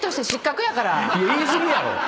言い過ぎやろ！